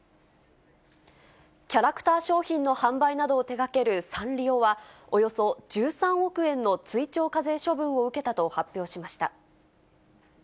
キャラクター商品の販売などを手がけるサンリオは、およそ１３億円の追徴課税処分を受けたと発表しました。